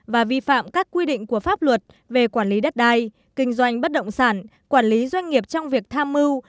và vi phạm các quy định của pháp luật về quản lý đất đai kinh doanh bất động sản quản lý doanh nghiệp trong việc tham mưu